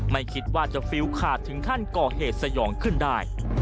ไม่คิดว่าจะฟิลขาดถึงขั้นก่อเหตุสยองขึ้นได้